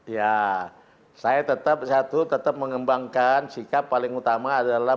ya saya tetap mengembangkan sikap paling utama adalah